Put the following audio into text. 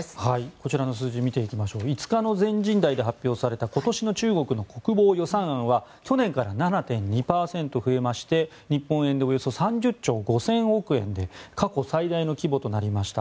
こちらの数字見ていきましょう５日の全人代で発表された今年の中国の国防予算案は去年から７．２％増えまして日本円でおよそ３０兆５０００億円で過去最大の規模となりました。